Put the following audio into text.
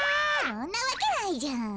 そんなわけないじゃん。